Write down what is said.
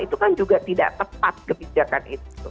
itu kan juga tidak tepat kebijakan itu